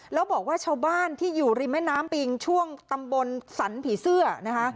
แล้วบอกว่าชาวบ้านที่อยู่ริมแม่น้ำปิงช่วงตำบลสรรผีเสื้อนะคะ